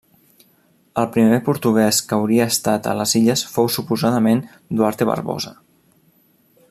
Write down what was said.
El primer portuguès que hauria estat a les illes fou suposadament Duarte Barbosa.